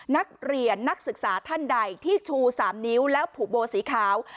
นักศึกษาท่านใดที่ชู๓นิ้วแล้วผูกโบสีขาว